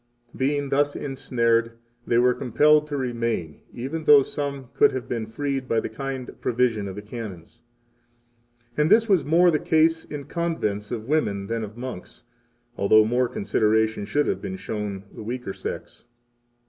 6 Being thus ensnared, they were compelled to remain, even though some could have been freed by the kind provision of the Canons. 7 And this was more the case in convents of women than of monks, although more consideration should have been shown the weaker sex.